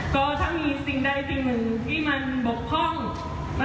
ก็ถ้ามีสิ่งใดสิ่งหนึ่งที่มันบกพร่อง